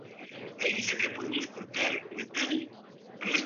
Pippin y Merry lucharon valientemente en la batalla, al igual que Sam.